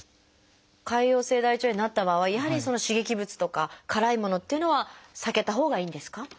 潰瘍性大腸炎になった場合やはり刺激物とか辛いものというのは避けたほうがいいんですか？